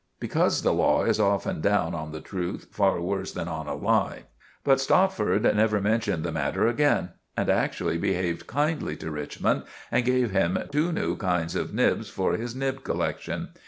Because the law is often down on the truth far worse than on a lie. But Stopford never mentioned the matter again, and actually behaved kindly to Richmond and gave him two new kinds of nibs for his nib collection.